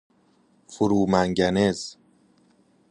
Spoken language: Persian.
فرومنگنز